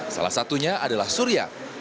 salah satunya adalah surya